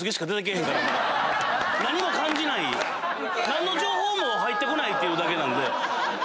何の情報も入ってこないっていうだけなんで。